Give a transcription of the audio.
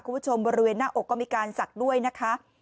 บริเวณหน้าอกก็มีการศักดิ์ด้วยนะคะ